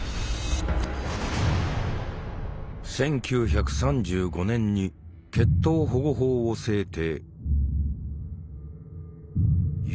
１９３５年に「血統保護法」を制定。